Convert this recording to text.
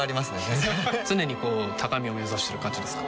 全然常にこう高みを目指してる感じですか？